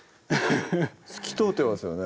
透き通ってますよね